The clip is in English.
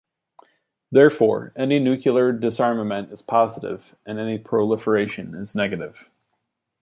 Therefore, any nuclear disarmament is positive and any proliferation is negative.